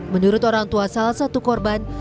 menurut orang tua salah satu korban